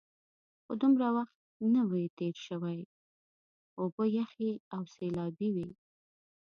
خو دومره وخت نه وي تېر شوی، اوبه یخې او سیلابي وې.